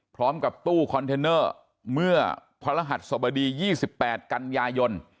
พร้อมกับตู้คอนเทนเนอร์เมื่อพระรหัสสบดี๒๘กันยายน